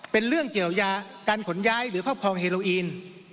เป็นเรื่องเกี่ยวยาการขนย้ายหรือครอบครองเฮโลอีน